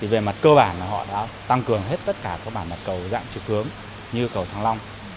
về mặt cơ bản là họ đã tăng cường hết tất cả các bản mặt cầu dạng trực hướng như cầu thăng long